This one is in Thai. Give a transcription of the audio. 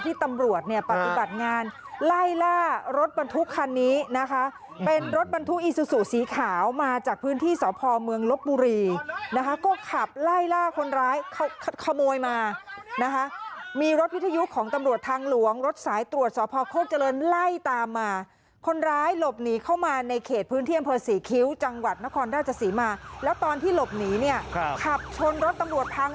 ที่ตำรวจเนี่ยปฏิบัติงานไล่ล่ารถบรรทุกคันนี้นะคะเป็นรถบรรทุกอีซูซูสีขาวมาจากพื้นที่สอพอร์เมืองลบบุรีนะคะก็ขับไล่ล่าคนร้ายเขาขโมยมานะคะมีรถพิทยุของตำรวจทางหลวงรถสายตรวจสอพอร์โฆเจริญไล่ตามมาคนร้ายหลบหนีเข้ามาในเขตพื้นเที่ยงพลศรีคิ้วจังหวัดนครราชสีมาแล้ว